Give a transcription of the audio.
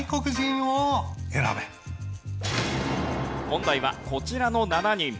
問題はこちらの７人。